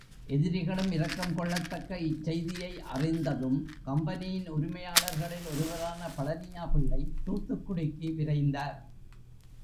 எதிரிகளும் இரக்கம் கொள்ளத்தக்க இச்செய்தியை அறிந்ததும், கம்பெனியின் உரிமையாளர்களில் ஒருவரான பழனியா பிள்ளை தூத்துக்குடிக்கு விரைந்தார்.